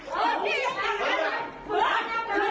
มึงไม่ได้ยุ่งอย่างไร